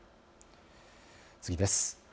次です。